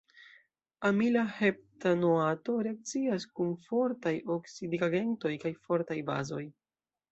Amila heptanoato reakcias kun fortaj oksidigagentoj kaj fortaj bazoj.